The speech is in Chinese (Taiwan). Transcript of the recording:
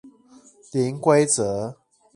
零規則